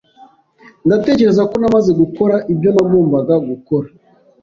Ndatekereza ko namaze gukora ibyo nagombaga gukora.